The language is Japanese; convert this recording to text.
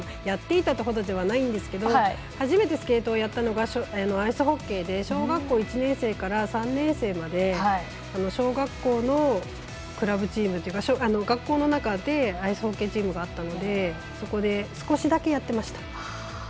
やっていたというほどではないんですけど初めてスケートをやったのがアイスホッケーで小学校１年生から３年生まで小学校のクラブチームというか学校の中でアイスホッケーチームがあったのでそこで少しだけやってました。